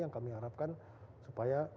yang kami harapkan supaya